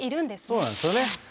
そうなんですよね。